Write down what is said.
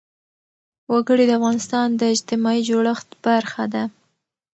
وګړي د افغانستان د اجتماعي جوړښت برخه ده.